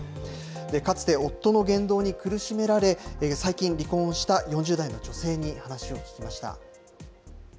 かつて夫の言動に苦しめられ、最近、離婚をした４０代の女性に話を聞きました。